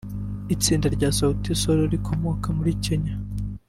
Itsinda rya Sauti Sol rikomoka muri Kenya